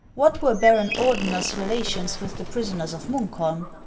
What were Baron Ordener's relations with the prisoners of Munkholm